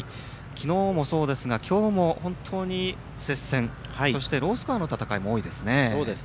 昨日もそうですが今日も本当に、接戦そしてロースコアの戦いも多いですね。